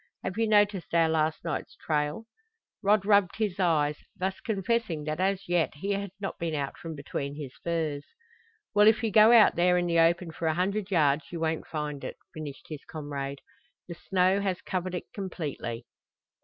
Have you noticed our last night's trail?" Rod rubbed his eyes, thus confessing that as yet he had not been out from between his furs. "Well, if you go out there in the open for a hundred yards you won't find it," finished his comrade. "The snow has covered it completely."